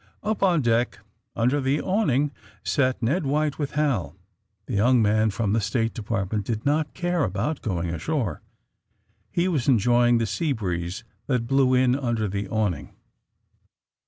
Up on deck, under the awning, sat Ned White 178 THE STTBMA RTNE BOYS with Hal. The young man from the State De partment did not care abont going ashore. He was enjoying the sea breeze that blew in under the awning.